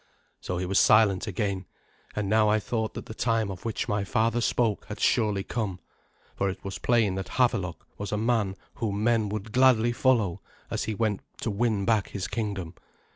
So he was silent again; and now I thought that the time of which my father spoke had surely come, for it was plain that Havelok was a man whom men would gladly follow as he went to win back his kingdom.